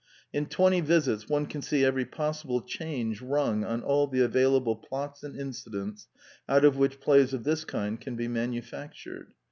In twenty visits one can see every possible change rung on all the available plots and incidents out of which plays of this kind can be manufactured.